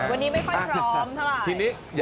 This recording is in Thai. วันนี้ไม่ค่อยพร้อมเท่าไหร่